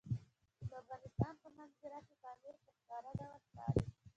د افغانستان په منظره کې پامیر په ښکاره ډول ښکاري.